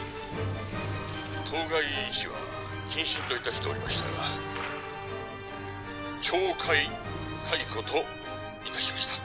「当該医師は謹慎と致しておりましたが懲戒解雇と致しました」